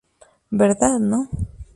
Verdad No.